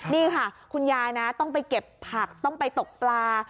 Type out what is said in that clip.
นี่ค่ะคุณยายนะต้องไปเก็บผักต้องไปตกปลา